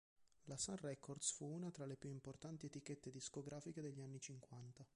La Sun Records fu una tra le più importanti etichette discografiche degli anni Cinquanta.